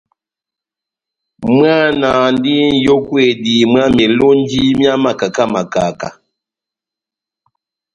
Mwana andi n'yókwedi mwá melonji mia makaka makaka.